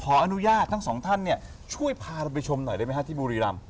ขออนุญาตทั้งสองท่านเนี่ยช่วยพาเราไปชมหน่อยได้ไหมฮะที่บุรีรำ